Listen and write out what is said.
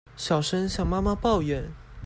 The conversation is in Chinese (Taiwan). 小聲向媽媽抱怨